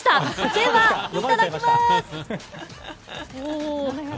では、いただきます！